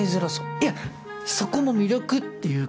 いやそこも魅力っていうか。